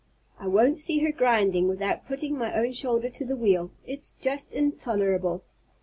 I won't see her grinding without putting my own shoulder to the wheel. It's just intolerable!"